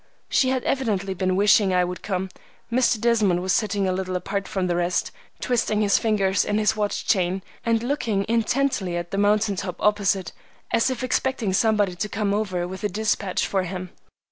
She had evidently been wishing I would come. Mr. Desmond was sitting a little apart from the rest, twisting his fingers in his watch chain and looking intently at the mountain top opposite, as if expecting somebody to come over with a dispatch for him.